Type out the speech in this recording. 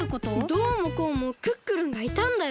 どうもこうもクックルンがいたんだよ。